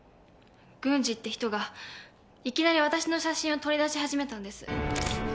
軍司って人がいきなり私の写真を撮りだし始めたんです。